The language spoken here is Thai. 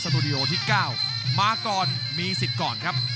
ตูดิโอที่๙มาก่อนมีสิทธิ์ก่อนครับ